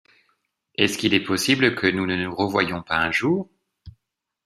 Est-ce qu’il est possible que nous ne nous revoyions pas un jour ?